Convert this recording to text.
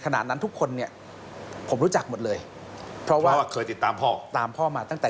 ขนาดนั้นทุกคนเนี่ยผมรู้จักหมดเลยเพราะว่าเคยติดตามพ่อตามพ่อมาตั้งแต่